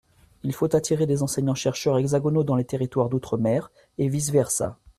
Il faut attirer des enseignants-chercheurs hexagonaux dans les territoires d’outre-mer, et vice versa.